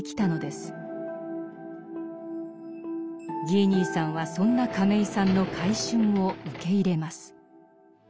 ギー兄さんはそんな亀井さんの改悛を受け入れます。